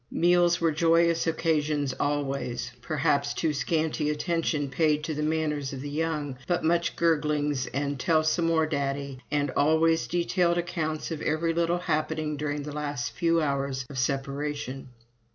Meals were joyous occasions always; perhaps too scant attention paid to the manners of the young, but much gurglings, and "Tell some more, daddy," and always detailed accounts of every little happening during the last few hours of separation.